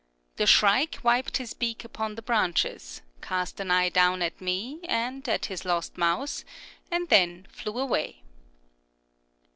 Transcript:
The shrike wiped his beak upon the branches, cast an eye down at me and at his lost mouse, and then flew away.